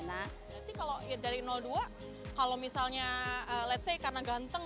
nanti kalau dari dua kalau misalnya let's say karena ganteng